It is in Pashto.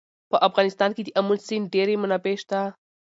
په افغانستان کې د آمو سیند ډېرې منابع شته.